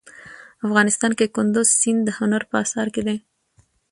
افغانستان کې کندز سیند د هنر په اثار کې دی.